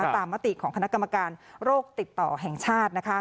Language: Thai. มติของคณะกรรมการโรคติดต่อแห่งชาติ